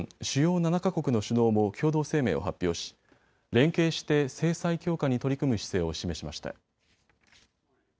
主要７か国の首脳も共同声明を発表し連携して制裁強化に取り組む姿勢を示しました。